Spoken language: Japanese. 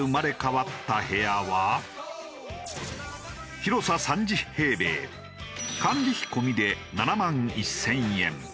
広さ３０平米管理費込みで７万１０００円。